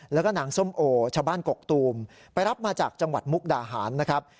แล้วก็นางส้มโอชาวบ้านกกตูมไปรับมาจากจังหวัดมุกดาหารนะครับ